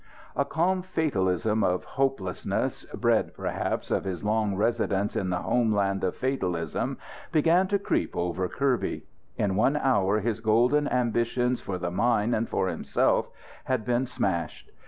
A calm fatalism of hopelessness, bred perhaps of his long residence in the homeland of fatalism began to creep over Kirby. In one hour his golden ambitions for the mine and for himself had been smashed.